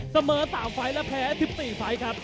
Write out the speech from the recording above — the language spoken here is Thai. เสมอ๓ไฟล์และแพ้๑๔ไฟล์ครับ